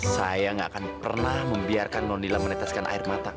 saya gak akan pernah membiarkan nonila meneteskan air mata